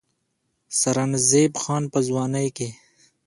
سرنزېب خان پۀ ځوانۍ کښې